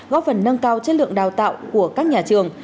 góp phần nâng cao chất lượng đào tạo của các nhà trường